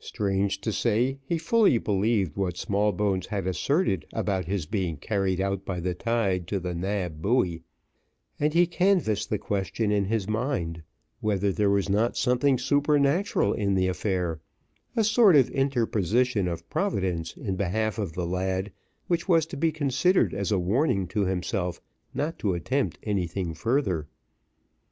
Strange to say, he fully believed what Smallbones had asserted about his being carried out by the tide to the Nab buoy and he canvassed the question in his mind, whether there was not something supernatural in the affair, a sort of interposition of Providence in behalf of the lad, which was to be considered as a warning to himself not to attempt anything further.